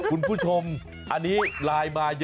คุณผู้ชมอันนี้ไลน์มาเยอะ